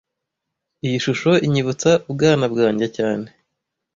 Iyi shusho inyibutsa ubwana bwanjye cyane